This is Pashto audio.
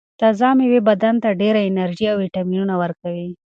تازه مېوې بدن ته ډېره انرژي او ویټامینونه ورکوي.